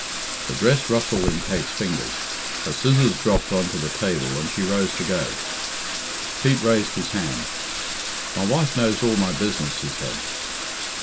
The dress rustled in Kate's fingers, her scissors dropped on to the table, and she rose to go. Pete raised his hand. "My wife knows all my business," he said.